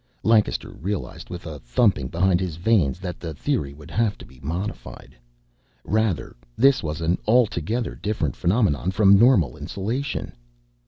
Lancaster realized with a thumping behind his veins that the theory would have to be modified. Rather, this was an altogether different phenomenon from normal insulation.